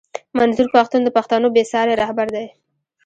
منظور پښتون د پښتنو بې ساری رهبر دی